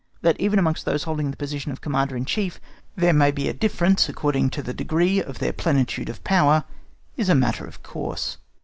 That even amongst those holding the post of Commander in Chief there may be a difference according to the degree of their plenitude of power is a matter of course.